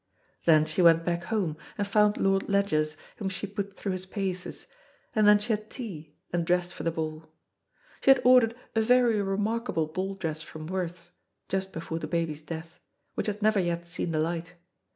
Then she went back home, and found Lord Ledgers, whom she put through his paces, and then she had tea, and dressed for the ball. She had ordered a very remarkable ball dress from Worth's, just before the baby's death, which had never yet seen the light.